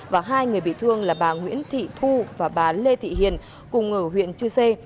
và hai người bị thương là bà nguyễn thị thu và bà lê thị hiền cùng ở huyện chư sê